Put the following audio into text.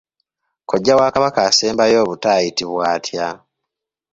Kojja wa Kabaka asembayo obuto ayitibwa atya?